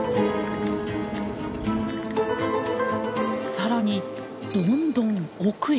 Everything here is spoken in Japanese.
さらにどんどん奥へ。